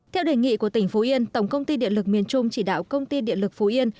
theo đề nghị của tỉnh phú yên tổng công ty điện lực miền trung chỉ đạo công ty điện lực phú yên